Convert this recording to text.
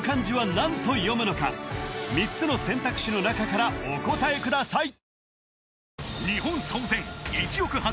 クイズ３つの選択肢の中からお答えください